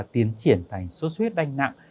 tiến triển thành xuất huyết đanh nặng